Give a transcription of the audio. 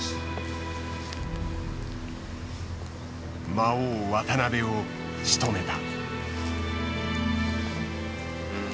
魔王渡辺をしとめた。